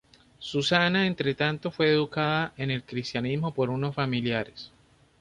Susana, entre tanto, fue educada en el cristianismo por unos familiares.